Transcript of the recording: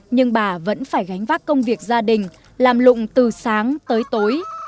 nhưng bà vẫn phải gánh vác công việc gia đình làm lụng từ sáng tới tối